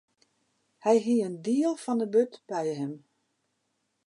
Hy hie in diel fan de bút by him.